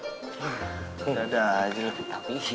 hah dadah aja